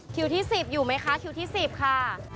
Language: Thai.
คิวที่สิบอยู่ไหมคะคิวที่สิบค่ะ